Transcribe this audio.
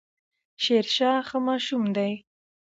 شيرشاه ښه ماشوم دی